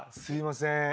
すいません。